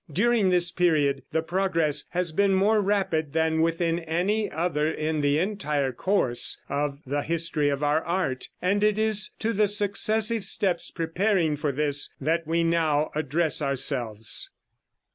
During this period the progress has been more rapid than within any other in the entire course of the history of our art, and it is to the successive steps preparing for this that we now address ourselves.